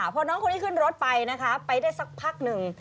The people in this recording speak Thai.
พอน้องคนนี้ขึ้นรถไปนะคะไปได้สักพักหนึ่ง